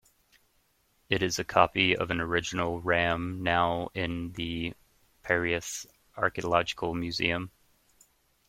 It is a copy of an original ram now in the Piraeus archaeological museum.